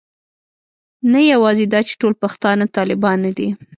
نه یوازې دا چې ټول پښتانه طالبان نه دي.